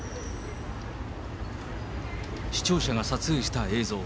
視聴者が撮影した映像。